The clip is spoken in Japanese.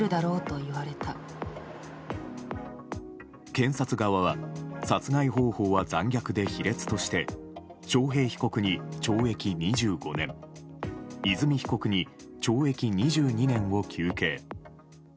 検察側は殺害方法は残虐で卑劣として章平被告に懲役２５年和美被告に懲役２２年を求刑。